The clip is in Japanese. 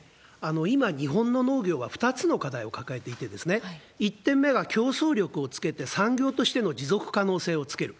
今、日本の農業は２つの課題を抱えていて、１点目が競争力をつけて産業としての持続可能性をつける。